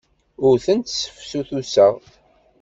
Ur tent-sseftutuseɣ.